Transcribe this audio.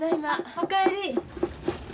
あお帰り。